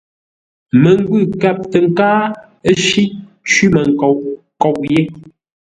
Məngwʉ̂ kâp tə nkáa, ə́ shíʼ; cwímənkoʼ nkôʼ yé.